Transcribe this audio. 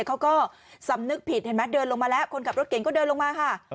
เขาก็สำนึกผิดเห็นไหมเดินลงมาแล้วคนขับรถเก่งก็เดินลงมาค่ะ